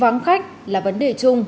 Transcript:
vắng khách là vấn đề chung